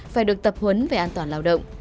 phải được tập huấn về an toàn lao động